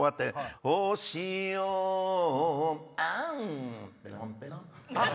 星よあぁんペロンペロン。